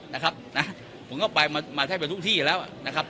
นะครับนะผมก็ไปมามาแทบจะทุกที่แล้วอ่ะนะครับ